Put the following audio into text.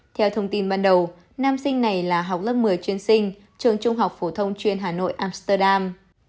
theo thông tin ban đầu nam sinh này là học lớp một mươi chuyên sinh trường trung học phổ thông chuyên hà nội amsterdam